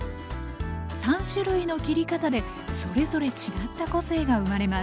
３種類の切り方でそれぞれ違った個性が生まれます。